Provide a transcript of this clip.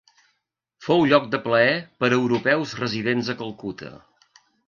Fou lloc de plaer per europeus residents a Calcuta.